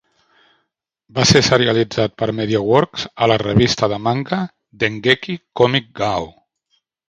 Va ser serialitzat per MediaWorks a la revista de manga Dengeki Comic Gao!